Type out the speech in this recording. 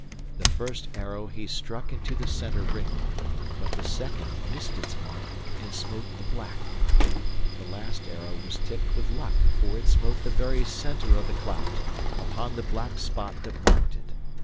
The first arrow he struck into the center ring, but the second missed its mark, and smote the black; the last arrow was tipped with luck, for it smote the very center of the clout, upon the black spot that marked it.